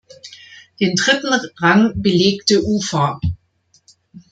Den dritten Rang belegte Ufa.